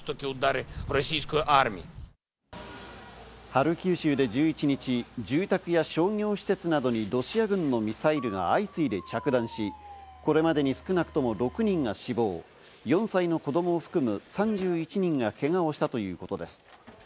ハルキウ州で１１日、住宅や商業施設などにロシア軍のミサイルが相次いで着弾し、これまでに少なくとも６人が死亡、４歳の子供を含む３１人がけがをしたということです。